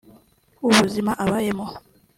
ubuzima abayemo